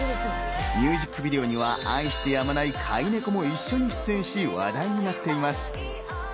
ミュージックビデオには愛してやまない飼い猫も一緒に出演し話題になっています。